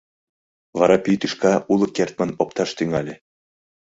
Вара пий тӱшка уло кертмын опташ тӱҥале.